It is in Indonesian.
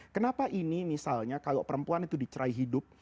kenapa ini misalnya kalau perempuan itu dicerai hidup